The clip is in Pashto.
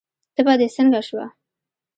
تبه دې څنګه شوه؟